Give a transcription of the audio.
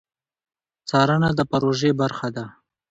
څارنه د پروژې برخه ده